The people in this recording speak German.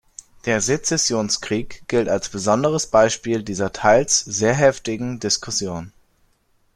Der Sezessionskrieg gilt als besonderes Beispiel dieser teils sehr heftigen Diskussion.